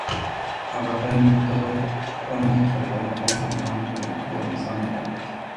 Rafael Montero Ramos, Rafael Ponce de León y Alfredo Lezama Álvarez.